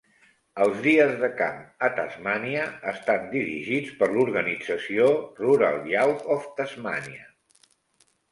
Els dies de camp a Tasmània estan dirigits per l'organització Rural Youth of Tasmania.